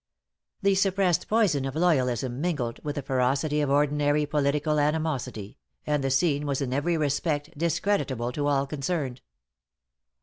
The suppressed poison of loyalism mingled with the ferocity of ordinary political animosity, and the scene was in every respect discreditable to all concerned.